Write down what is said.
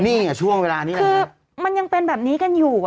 นี่เหรอช่วงเวลานี้หรือเปล่าคือมันยังเป็นแบบนี้กันอยู่